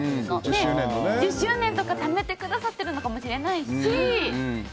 １０周年とかためてくださってるのかもしれないしですし。